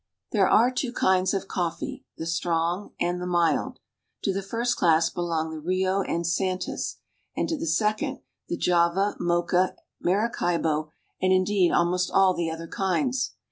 There are two kinds of coffee, the strong and the mild. To the first class belong the Rio and Santas, and to the second, the Java, Mocha, Maracaibo, and, indeed, almost all the other kinds.